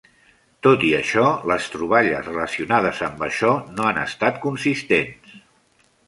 Tot i això, les troballes relacionades amb això no han estat consistents.